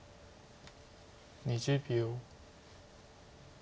２０秒。